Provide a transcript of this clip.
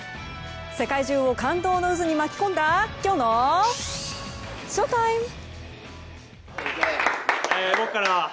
世界中を感動の渦に巻き込んだきょうのＳＨＯＴＩＭＥ。